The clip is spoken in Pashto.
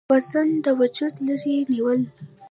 وزن د وجوده لرې نيول ،